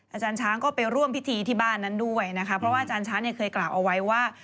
อาจารย์ช้างก็ไปร่วมพิธีที่บ้านนั้นด้วยนะคะเพราะว่าอาจารย์ช้างเนี่ยเคยกล่าวเอาไว้ว่า